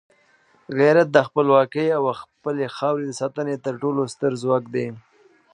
غیرت د خپلواکۍ او خپلې خاورې د ساتنې تر ټولو ستر ځواک دی.